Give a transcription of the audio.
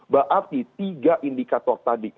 berarti tiga indikator tadi